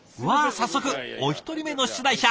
早速お一人目の出題者。